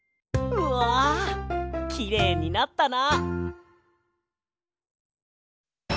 うわきれいになったな！